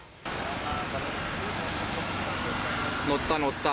乗った、乗った。